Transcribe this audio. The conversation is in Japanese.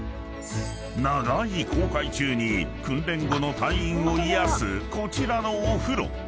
［長い航海中に訓練後の隊員を癒やすこちらのお風呂］